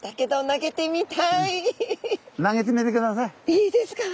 いいですか？